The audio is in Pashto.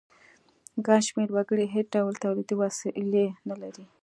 ګڼ شمیر وګړي هیڅ ډول تولیدي وسیلې نه لري.